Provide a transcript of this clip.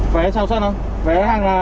vé sao sân không vé hàng nào đấy